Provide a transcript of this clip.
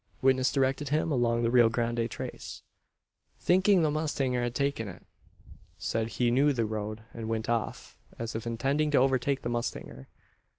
Witness directed him along the Rio Grande trace thinking the mustanger had taken it. Said he knew the road, and went off, as if intending to overtake the mustanger.